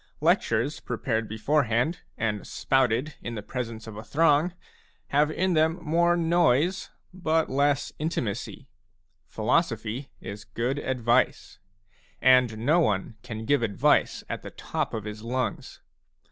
Lectures prepared before hand and spouted in the presence of a throng have in them more noise but less intimacy. Philosophy is good advice ; and no one can give advice at the top of his lungs.